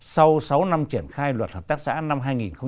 sau sáu năm triển khai luật hợp tác xã năm hai nghìn một mươi hai